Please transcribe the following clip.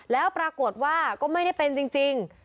แล้วปรากฏว่าก็ไม่ได้เป็นจริง